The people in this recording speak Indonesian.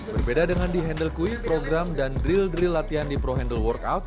berbeda dengan di handle quick program dan drill drill latihan di pro handle workout